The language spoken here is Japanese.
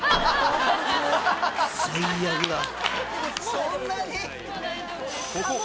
そんなに⁉